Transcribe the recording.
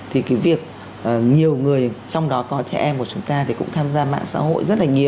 thì cái việc nhiều người trong đó có trẻ em của chúng ta thì cũng tham gia mạng xã hội rất là nhiều